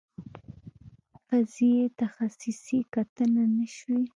قضیې تخصصي کتنه نه شوې.